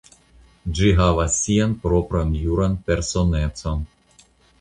Ĝi havas sian propran juran personecon.